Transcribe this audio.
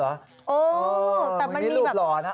โอ้โฮมีรูปหล่อนะ